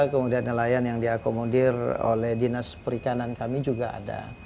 kemudian nelayan yang diakomodir oleh dinas perikanan kami juga ada